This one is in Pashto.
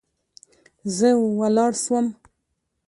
زه ولاړ سوم.